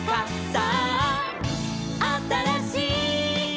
「さああたらしい」